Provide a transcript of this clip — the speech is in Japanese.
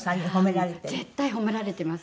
絶対褒められてます。